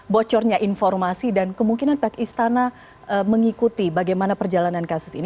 bocornya informasi dan kemungkinan pihak istana mengikuti bagaimana perjalanan kasus ini